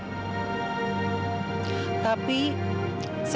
saya sudah bersumpah untuk tidak menerima kehadiran anak parah di rumah saya